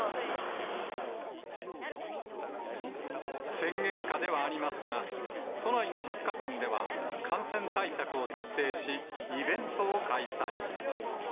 宣言下ではありますが、都内の百貨店では感染対策を徹底し、イベントを開催。